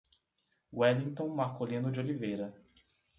Wellington Marcolino de Oliveira